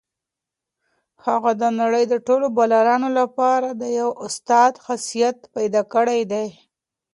هغه د نړۍ د ټولو بالرانو لپاره د یو استاد حیثیت پیدا کړی دی.